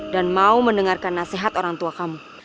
dan mau mendengarkan nasihat orang tua kamu